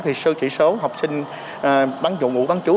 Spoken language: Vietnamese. thì sơ chỉ số học sinh bán dụng ngủ bán chú